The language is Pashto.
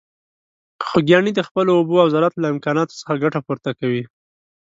خوږیاڼي د خپلو اوبو او زراعت له امکاناتو څخه ګټه پورته کوي.